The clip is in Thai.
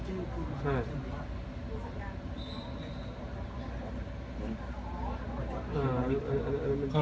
ใช่ครับ